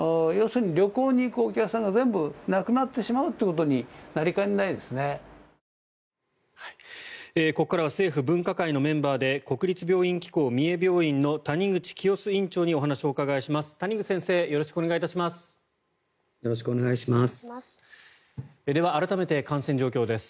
ここからは政府分科会のメンバーで国立病院機構三重病院の谷口清州院長にお話をお伺いします。